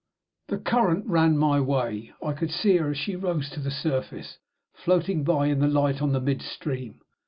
The current ran my way. I could see her, as she rose to the surface, floating by in the light on the mid stream.